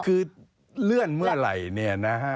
คือเลื่อนเมื่อไหร่เนี่ยนะฮะ